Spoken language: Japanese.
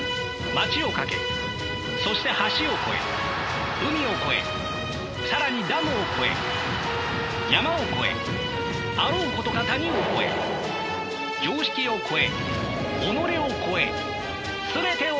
街を駆けそして橋を越え海を越え更にダムを越え山を越えあろうことか谷を越え常識を越え己を越え全てを越えて。